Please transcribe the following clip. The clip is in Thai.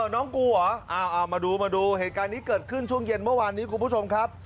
น้องกรุเหรอเหตุการณ์นี้เกิดขึ้นช่วงเย็นเมื่อวานนี้ครับ